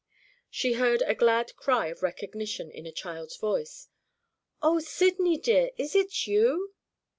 She heard a glad cry of recognition in a child's voice: "Oh, Sydney, dear, is it you?"